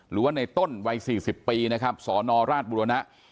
หรือว่าในต้นวัย๔๐ปีนะครับสนราชบุรณะ